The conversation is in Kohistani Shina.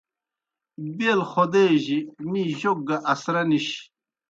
بیل خودے جیْ می جوک گہ اسرا نِش۔